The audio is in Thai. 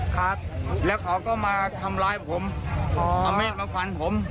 ครับแล้วเขาก็มาทำร้ายผมเอามีดมาฟันผม